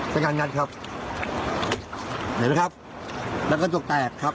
เป็นการงัดครับเห็นไหมครับแล้วกระจกแตกครับ